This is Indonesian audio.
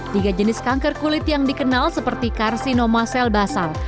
tiga jenis kanker kulit yang dikenal seperti karsinoma sel basal